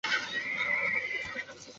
车站目前办理专用线货运业务。